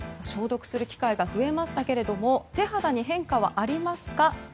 消毒する機会が増えましたが手肌に変化はありましたか？